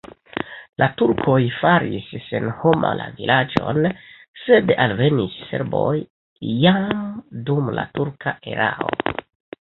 La turkoj faris senhoma la vilaĝon, sed alvenis serboj jam dum la turka erao.